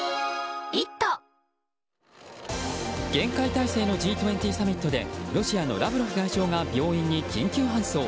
厳戒態勢のＧ２０サミットでロシアのラブロフ外相が病院に緊急搬送。